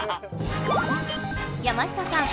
山下さん